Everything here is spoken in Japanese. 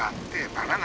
バナナ！